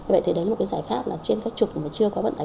vậy thì đấy là một cái giải pháp là trên các trục mà chưa có vận tải